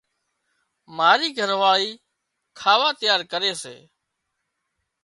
مارِي گھر واۯِي کاوا تيار ڪري سي۔